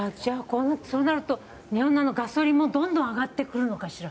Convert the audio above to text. そうなるとガソリンの値段もどんどん上がってくるのかしら。